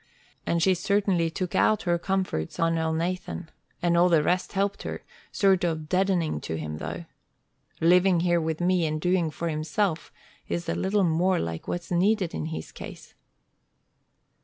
And she certainly took out her comforts on Elnathan, and all the rest helped her sort of deadening to him, though. Living here with me and doing for himself is a little more like what's needed in his case."